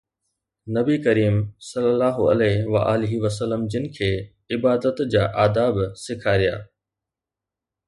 نبي ڪريم ﷺ جن کي عبادت جا آداب سيکاريا.